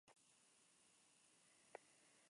El primer concierto fue en Los Ángeles, California.